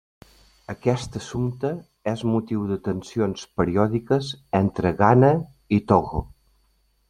Aquest assumpte és motiu de tensions periòdiques entre Ghana i Togo.